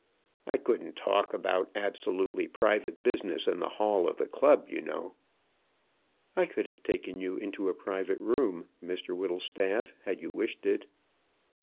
"I couldn't talk about absolutely private business in the hall of the club, you know." "I could have taken you into a private room, Mr Whittlestaff, had you wished it."